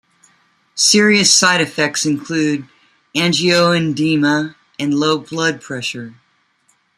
Serious side effects include angioedema and low blood pressure.